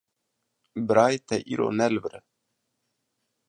Birayê te îro ne li vir e.